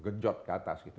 gejot ke atas gitu